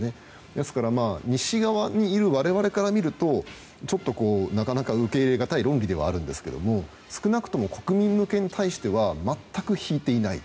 ですから西側にいる我々から見るとちょっと、なかなか受け入れがたい論理ではあるんですけど少なくとも国民向けに対しては全く引いていない。